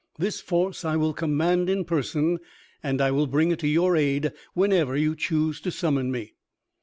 This force I will command in person, and I will bring it to your aid whenever you choose to summon me."